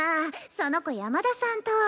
その子山田さんと。